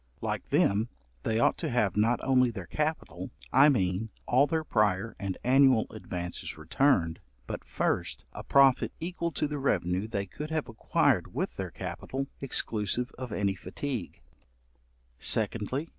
Like them, they ought to have not only their capital, I mean, all their prior and annual advances returned, but, 1st, a profit equal to the revenue they could have acquired with their capital, exclusive of any fatigue; 2ndly.